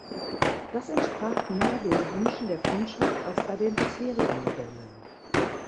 Das entsprach mehr den Wünschen der Kundschaft als bei den bisherigen Modellen.